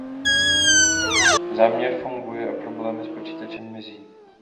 Záměr funguje a problémy s počítačem mizí.